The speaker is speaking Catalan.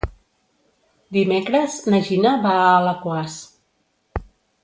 Dimecres na Gina va a Alaquàs.